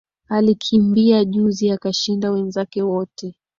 Alikimbia juzi akashinda wenzake wote